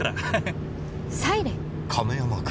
亀山君。